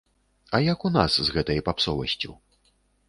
А як у нас з гэтай папсовасцю?